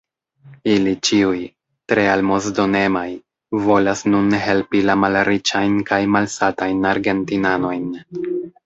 Ili ĉiuj, tre almozdonemaj, volas nun helpi la malriĉajn kaj malsatajn argentinanojn.